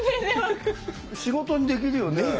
仕事にできるよね？